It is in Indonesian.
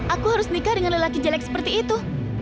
aku harus nikah dengan lelaki jelek seperti itu